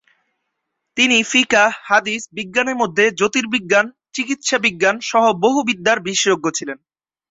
তিনি ফিকাহ, হাদিস, বিজ্ঞানের মধ্যে জ্যোতির্বিজ্ঞান, চিকিৎসাবিজ্ঞান-সহ বহু বিদ্যার বিশেষজ্ঞ ছিলেন।